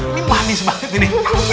ini manis banget ini